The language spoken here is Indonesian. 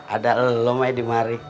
ada leluhur mai dimari